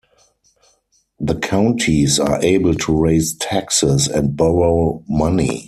The counties are able to raise taxes and borrow money.